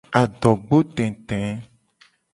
Adogbo tete.